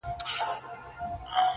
څارنوال او د قاضي که د بابا ده,